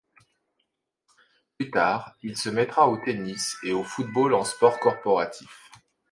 Plus tard, il se mettra au tennis et au football en sport corporatif.